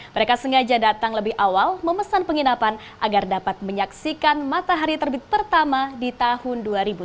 mereka sengaja datang lebih awal memesan penginapan agar dapat menyaksikan matahari terbit pertama di tahun dua ribu tujuh belas